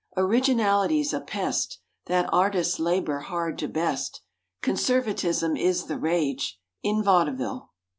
Originality's a pest That artist's labor hard to best— Conservatism is the rage In vaudeville.